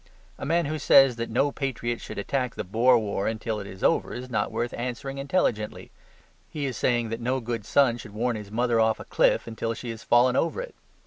A man who says that no patriot should attack the Boer War until it is over is not worth answering intelligently; he is saying that no good son should warn his mother off a cliff until she has fallen over it.